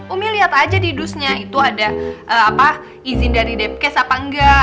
umi lihat aja di dusnya itu ada izin dari depkes apa enggak